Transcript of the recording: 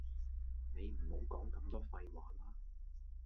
你唔好講咁多廢話啦